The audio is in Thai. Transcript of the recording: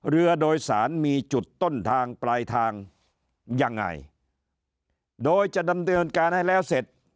เรือโดยสารมีจุดต้นทางปลายทางยังไงโดยจะดำเนินการให้แล้วเสร็จ